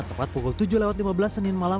tepat pukul tujuh lewat lima belas senin malam